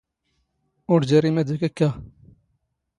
ⵓⵔ ⴷⴰⵔⵉ ⵎⴰⴷ ⴰⴽ ⴰⴽⴽⴰⵖ.